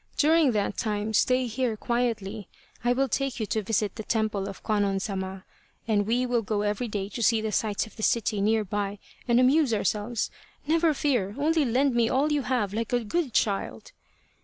During that time stay here quietly. I will take you to visit the Temple of Kwannon Sama, and we will go every day to see the sights of the city near by and amuse ourselves. Never fear, only lend me all you have like a good child."